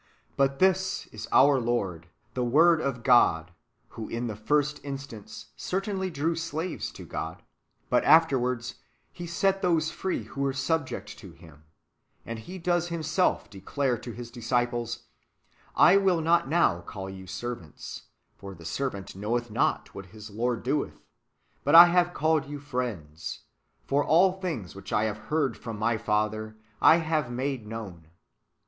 But this is our Lord, the Word of God, who in the first instance certainly drew slaves to God, but afterwards He set those free who were subject to Him, as He does Him self declare to His disciples: "I will not now call you servants, for the servant knoweth not what his lord doeth ; but I have called you friends, for all things which I have heard from my Father I have made known."